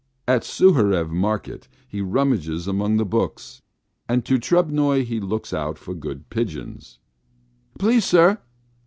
At Suharev market he rummages among the books, and at Trubnoy looks out for good pigeons. "Please, sir!"